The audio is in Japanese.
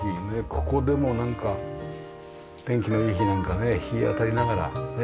ここでもなんか天気のいい日なんかね日当たりながらね